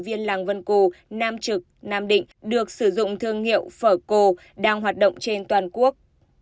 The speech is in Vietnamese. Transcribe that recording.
viên làng vân cù nam trực nam định được sử dụng thương hiệu phở cô đang hoạt động trên toàn quốc